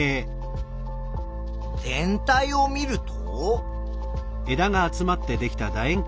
全体を見ると。